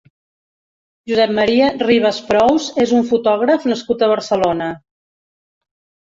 Josep Maria Ribas Prous és un fotògraf nascut a Barcelona.